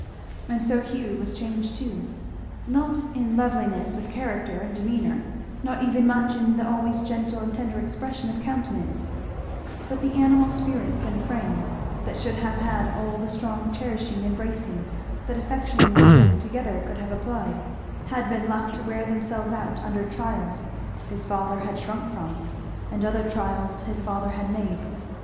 And so Hugh was changed too; not in loveliness of character and demeanour, nor even much in the always gentle and tender expression of countenance; but the animal spirits and frame, that should have had all the strong cherishing and bracing that affection and wisdom together could have applied, had been left to wear themselves out under trials his father had shrunk from and other trials his father had made.